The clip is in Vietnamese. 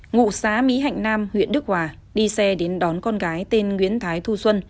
ngụ xã mỹ hạnh nam huyện đức hòa đi xe đến đón con gái tên nguyễn thái thu xuân